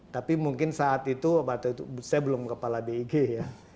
tapi mungkin saat itu saya belum kepala big ya